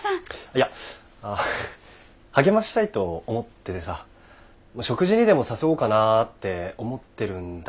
いや励ましたいと思っててさ食事にでも誘おうかなって思ってるんだけど。